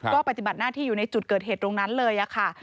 ก็ปฏิบัติหน้าที่อยู่ในจุดเกิดเหตุตรงนั้นเลยค่ะ